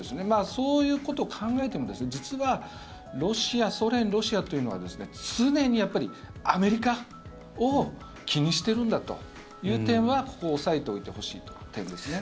そういうことを考えても実はソ連、ロシアというのは常にやっぱりアメリカを気にしてるんだという点はここを押さえておいてほしい点ですね。